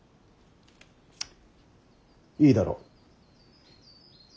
いいだろう。